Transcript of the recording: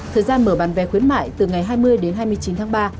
thời gian mở bán vé khuyến mại từ ngày hai mươi đến hai mươi chín tháng ba